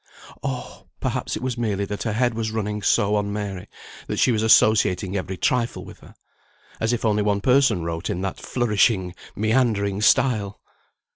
Oh! perhaps it was merely that her head was running so on Mary, that she was associating every trifle with her. As if only one person wrote in that flourishing, meandering style!